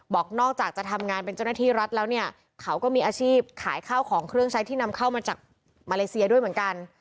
อกนอกจากจะทำงานเป็นเจ้าหน้าที่รัฐแล้วเนี่ยเขาก็มีอาชีพขายข้าวของเครื่องใช้ที่นำเข้ามาจากมาเลเซียด้วยเหมือนกัน